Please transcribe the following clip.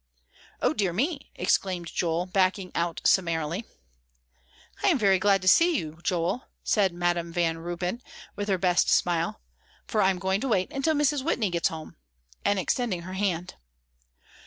"O dear me!" exclaimed Joel, backing out summarily. "I am very glad to see you, Joel," said Madam Van Ruypen, with her best smile on, "for I'm going to wait until Mrs. Whitney gets home," and extending her hand.